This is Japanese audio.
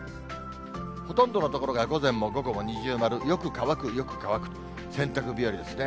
ほとんどの所が午前も午後も二重丸、よく乾く、よく乾くと、洗濯日和ですね。